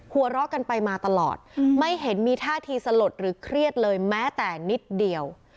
หัวเราะกันไปมาตลอดไม่เห็นมีท่าทีสลดหรือเครียดเลยแม้แต่นิดเดียว